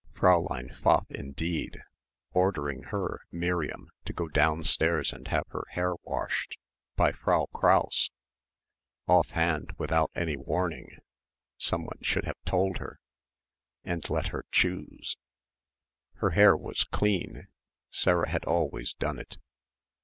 Fräulein Pfaff indeed! Ordering her, Miriam, to go downstairs and have her hair washed ... by Frau Krause ... off hand, without any warning ... someone should have told her and let her choose. Her hair was clean. Sarah had always done it.